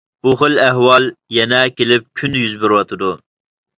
بۇ خىل ئەھۋال يەنە كېلىپ كۈندە يۈز بېرىۋاتىدۇ.